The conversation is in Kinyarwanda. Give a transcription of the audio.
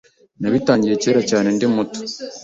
Nabitangiye kera cyane. Ndi muto